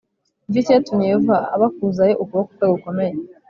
Ni cyo cyatumye Yehova abakuzayo ukuboko kwe gukomeye,